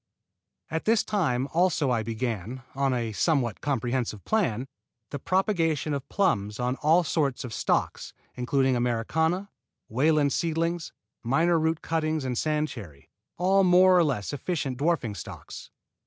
At this time also I began, on a somewhat comprehensive plan, the propagation of plums on all sorts of stocks, including Americana, Wayland seedlings, Miner root cuttings and sand cherry, all more or less efficient dwarfing stocks.